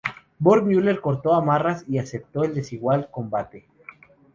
Von Müller cortó amarras y aceptó el desigual combate.